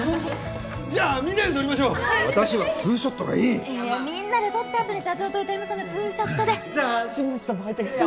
じゃあみんなで撮りましょう私はツーショットがいいみんなで撮ったあとに社長と糸山さんでツーショットで新町さんも入ってください